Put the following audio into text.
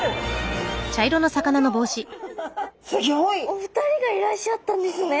お二人がいらっしゃったんですね。